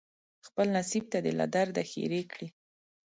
خپل نصیب ته دې له درده ښیرې کړي